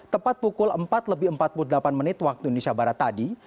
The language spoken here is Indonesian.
tepat pukul empat lebih empat puluh delapan menit waktu indonesia barat tadi